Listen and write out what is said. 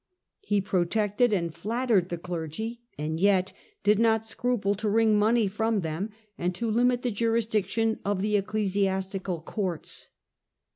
He pro tected and flattered the clergy, and yet did not scruple to wring money from them, and to limit the jurisdiction of the ecclesiastical courts.